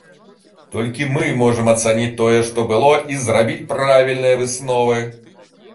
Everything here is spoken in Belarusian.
Толькі мы можам ацаніць тое, што было і зрабіць правільныя высновы.